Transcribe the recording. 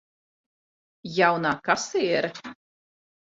Jaunā kasiere.